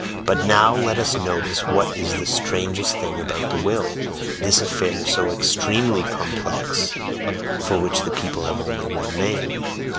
But now let us notice what is the strangest thing about the will, this affair so extremely complex, for which the people have only one name.